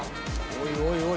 おいおいおい